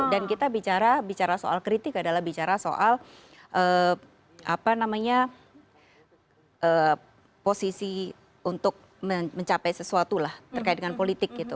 dan kita bicara soal kritik adalah bicara soal posisi untuk mencapai sesuatu lah terkait dengan politik gitu